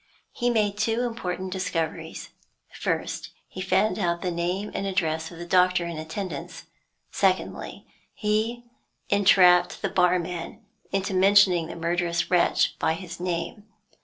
He made two important discoveries. First, he found out the name and address of the doctor in attendance. Secondly, he entrapped the barman into mentioning the murderous wretch by his name.